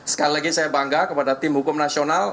sekali lagi saya bangga kepada tim hukum nasional